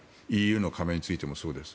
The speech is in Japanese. ＥＵの加盟についてもそうです。